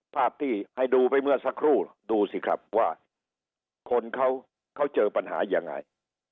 ภาพที่ให้ดูไปเมื่อสักครู่ดูสิครับว่าคนเขาเจอปัญหายังไง